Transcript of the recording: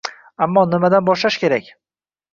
Ammo nimadan boshlash kerak?